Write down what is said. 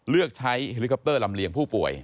เลือกใช้เฮลิคอปเตอร์ลำเลียงผู้ป่วย